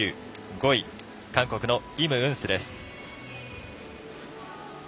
５位、韓国のイム・ウンスです。